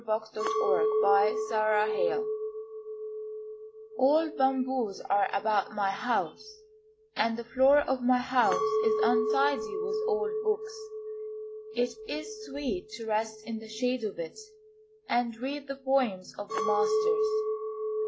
_ ANNAM THE BAMBOO GARDEN Old bamboos are about my house, And the floor of my house is untidy with old books. It is sweet to rest in the shade of it And read the poems of the masters.